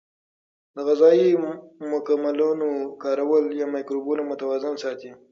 د غذایي مکملونو کارول مایکروبونه متوازن ساتي.